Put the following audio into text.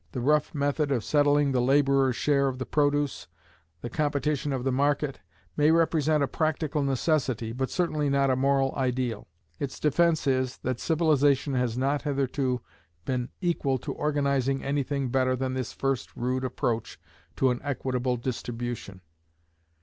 The rough method of settling the labourer's share of the produce, the competition of the market, may represent a practical necessity, but certainly not a moral ideal. Its defence is, that civilization has not hitherto been equal to organizing anything better than this first rude approach to an equitable distribution.